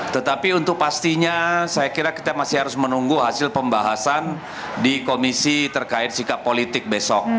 tetapi untuk pastinya saya kira kita masih harus menunggu hasil pembahasan di komisi terkait sikap politik besok